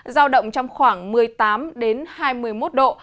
giao động trong khoảng một mươi tám hai mươi một độ